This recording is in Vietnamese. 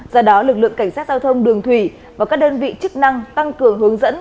do đó lực lượng cảnh sát giao thông đường thủy và các đơn vị chức năng tăng cường hướng dẫn